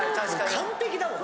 完璧だもん。